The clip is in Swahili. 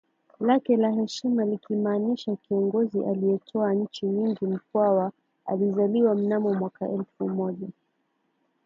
lake la heshima likimaanisha kiongozi aliyetwaa nchi nyingiMkwawa alizaliwa mnamo mwaka elfu moja